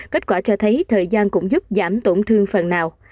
kết quả cho thấy thời gian cũng giúp giảm tổn thương phần nào